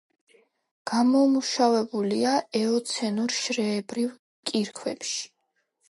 გამომუშავებულია ეოცენურ შრეებრივ კირქვებში.